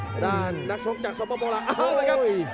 ในด้านนัดชกจากสมบับมะลาอ้ะอ้าวเลยครับ